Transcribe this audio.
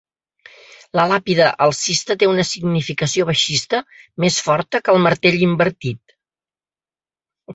La làpida alcista té una significació baixista més forta que el Martell invertit.